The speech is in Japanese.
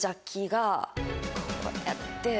こうやって。